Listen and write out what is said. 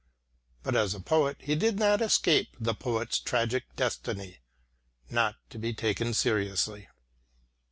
But as a poet, he did not escape the poet's tragic destiny not to be taken seriously.